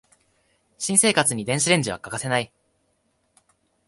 新生活に電子レンジは欠かせない